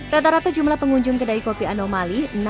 rata rata jumlah pengunjung kedai kopi anomali